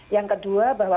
yang kedua bahwa